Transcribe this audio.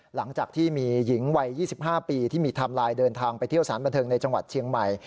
หลังจากที่มีหญิงวัย๒๕ปีที่มีไทม์ไลน์เดินทางไปเที่ยวสารบันเทิงในจังหวัดเชียงใหม่